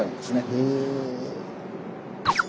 へえ。